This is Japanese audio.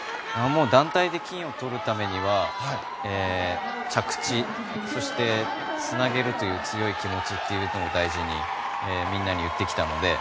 団体で金をとるためには着地、そしてつなげるという強い気持ちというのを大事にみんなに言ってきたので。